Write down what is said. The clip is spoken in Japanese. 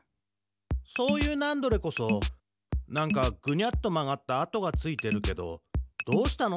そういうナンドレこそなんかぐにゃっとまがった跡がついてるけどどうしたの？